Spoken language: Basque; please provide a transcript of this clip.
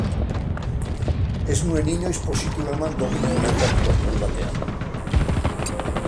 Ez zuen inoiz positibo eman dopinaren aurkako kontrol batean.